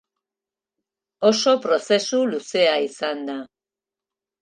Oso prozesu luzea izan da.